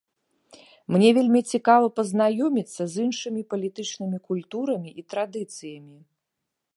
Мне вельмі цікава пазнаёміцца з іншымі палітычнымі культурамі і традыцыямі.